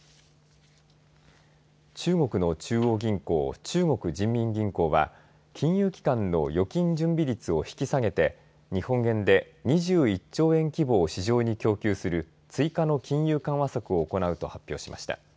中国の中央銀行中国人民銀行は金融機関の預金準備率を引き下げて日本円で２１兆円規模を市場に供給する追加の金融緩和策を行うと発表しました。